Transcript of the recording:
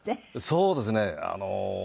そうですね。